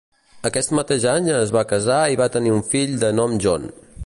Aquest mateix any es va cassar i va tenir un fill de nom John.